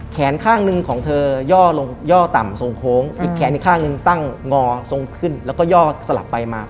ข้างหนึ่งของเธอย่อลงย่อต่ำทรงโค้งอีกแขนอีกข้างหนึ่งตั้งงอทรงขึ้นแล้วก็ย่อสลับไปมา